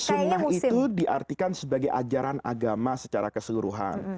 sunnah itu diartikan sebagai ajaran agama secara keseluruhan